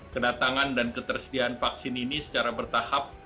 kedatangan dan ketersediaan vaksin ini secara bertahap